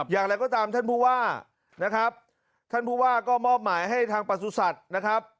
อย่างไรก็ตามท่านผู้ว่านะครับท่านผู้ว่าก็มอบหมายให้ทางประสุทธิ์นะครับ